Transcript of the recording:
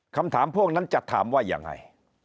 คำถามพวกนั้นจะถามว่ายังไง